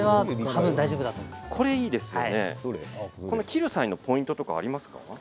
切る際のポイントとかありますか。